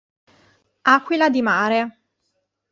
Aquila di mare